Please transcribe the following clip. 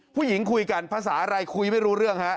ผู้หญิงคุยกันภาษาอะไรคุยไม่รู้เรื่องฮะ